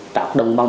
tạo đồng băng